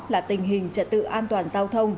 là tình hình trật tự an toàn giao thông